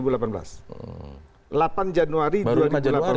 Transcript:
baru lima januari ya